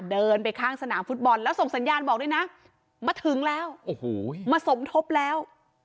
เดินไปข้างสนามฟุตบอลแล้วส่งสัญญาณบอกด้วยนะมาถึงแล้วโอ้โหมาสมทบแล้ว